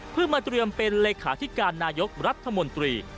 เพื่อมาเตรียมเป็นเลขาธิการนายกรัฐมนตรี